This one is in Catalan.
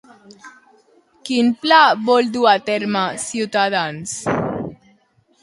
Quin pla vol dur a terme Ciutadans?